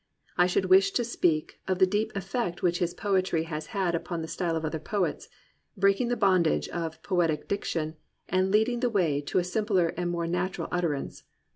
I should wish to speak of the deep effect which his poetry has had upon the style of other poets, breaking the bondage of "poetic diction" and lead ing the way to a simpler and more natural utter ance.